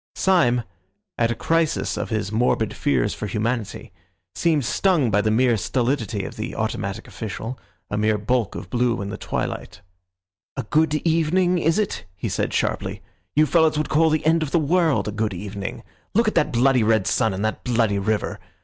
Syme, at a crisis of his morbid fears for humanity, seemed stung by the mere stolidity of the automatic official, a mere bulk of blue in the twilight. "A good evening is it?" he said sharply. "You fellows would call the end of the world a good evening. Look at that bloody red sun and that bloody river!